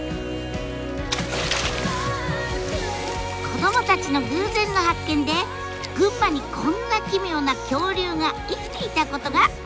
子どもたちの偶然の発見で群馬にこんな奇妙な恐竜が生きていたことが分かったんです。